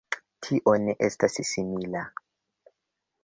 Tio ne estas simila.